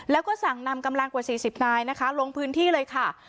แล้วก็สั่งนำกำลังกว่า๔๐นายนะคะลงพื้นที่เลยค่ะ